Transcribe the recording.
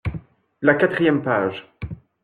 La quatrième page.